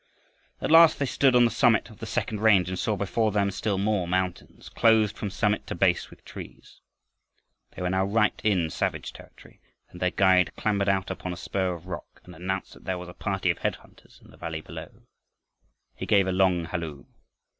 At last they stood on the summit of the second range and saw before them still more mountains, clothed from summit to base with trees. They were now right in savage territory and their guide clambered out upon a spur of rock and announced that there was a party of head hunters in the valley below. He gave a long halloo.